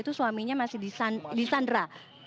itu suaminya masih disandra